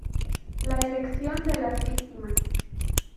La elección de las víctimas.